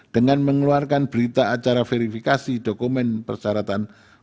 dengan mengeluarkan berita acara verifikasi dokumen persyaratan